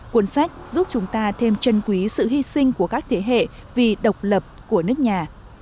cuốn sách giúp chúng ta thêm trân quý sự hy sinh của các thế hệ vì độc lập của nước nhà